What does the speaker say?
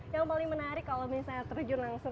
yang paling menarik kalau misalnya terjun langsung